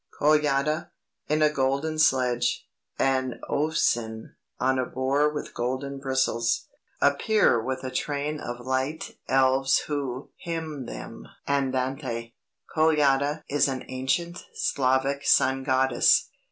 Kolyada, in a golden sledge, and Ovsen, on a boar with golden bristles, appear with a train of light elves who hymn them (Andante). Kolyada is an ancient Slavic sun goddess.